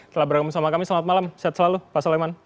telah bergabung sama kami selamat malam sehat selalu pak soleman